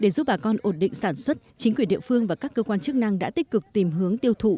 để giúp bà con ổn định sản xuất chính quyền địa phương và các cơ quan chức năng đã tích cực tìm hướng tiêu thụ